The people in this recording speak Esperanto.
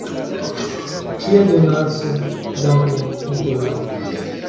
Kia donaco: dankon, Nikolao!